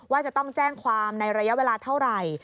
ว่าจะต้องแจ้งความในระยะเวลาเท่าไหร่